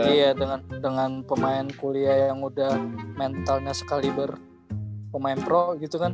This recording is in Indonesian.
iya dengan pemain kuliah yang udah mentalnya sekali bermain pro gitu kan